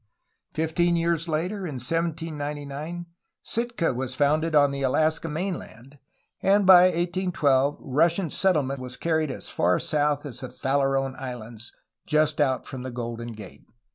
Fifteen years later, in 1799, Sitka was founded on the Alaska mainland, and by 1812 Russian settlement was carried as far south as the Farallone Islands, just out from the Golden Gate.